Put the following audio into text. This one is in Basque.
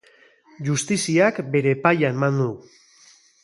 Justiziak bere epaia eman du.